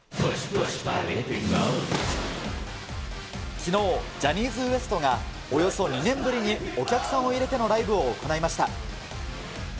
きのう、ジャニーズＷＥＳＴがおよそ２年ぶりにお客さんを入れてのライブを行いました。